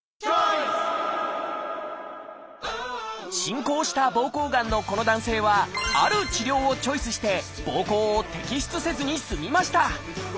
進行した膀胱がんのこの男性はある治療をチョイスして膀胱を摘出せずに済みました。